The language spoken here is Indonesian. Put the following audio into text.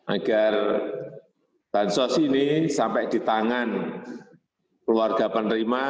agar bansos ini sampai di tangan keluarga penerima